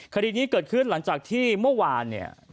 คดีนี้เกิดขึ้นหลังจากที่เมื่อวานเนี่ย